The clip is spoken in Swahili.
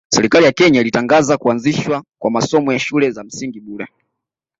Serikali ya Kenya ilitangaza kuanzishwa kwa masomo ya shule za msingi bure